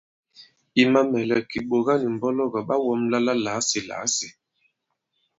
I mamɛ̀lɛ, kìɓòga nì mbɔlɔgɔ̀ ɓa wɔ̄mla la làasìlàasì.